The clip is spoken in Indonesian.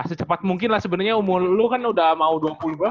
secepat mungkin lah sebenarnya umur lu kan udah mau dua puluh lima